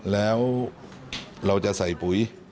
แล้วเราจะใส่ปุ๋ย